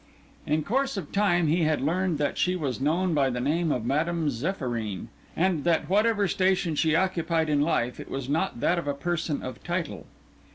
In course of time he had learned that she was known by the name of Madame Zéphyrine, and that whatever station she occupied in life it was not that of a person of title.